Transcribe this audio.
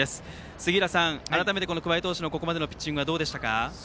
杉浦さん、改めて桑江投手のここまでのピッチングどうですか。